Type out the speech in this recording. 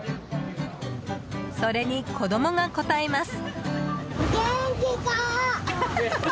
それに子どもが応えます。